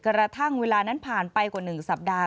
กระทั่งเวลานั้นผ่านไปกว่า๑สัปดาห